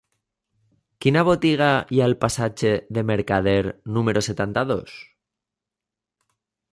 Quina botiga hi ha al passatge de Mercader número setanta-dos?